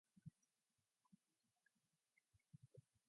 It is the home of Sheffield United.